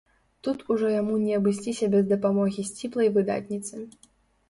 Тут ужо яму не абысціся без дапамогі сціплай выдатніцы.